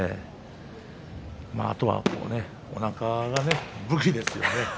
あとは、おなかが武器ですよね。